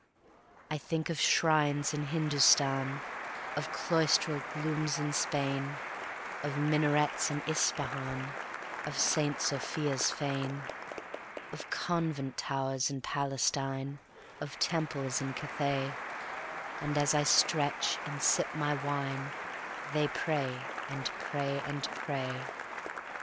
I think of shrines in Hindustan, Of cloistral glooms in Spain, Of minarets in Ispahan, Of St. Sophia's fane, Of convent towers in Palestine, Of temples in Cathay, And as I stretch and sip my wine They pray and pray and pray.